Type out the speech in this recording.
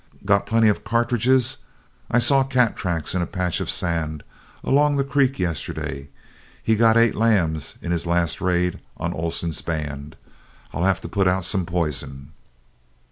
Got plenty of cartridges? I saw cat tracks in a patch of sand along the creek yesterday. He got eight lambs in his last raid on Oleson's band. I'll have to put out some poison."